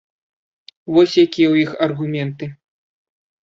Вось якія ў іх аргументы.